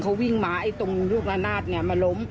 ยังเขาวิ่งหมาไอ้ตรงรูปนานาศมาล้ม